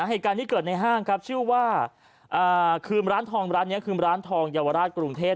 เหตุการณ์ที่เกิดในห้างครับชื่อว่าคือร้านทองร้านนี้คือร้านทองเยาวราชกรุงเทพ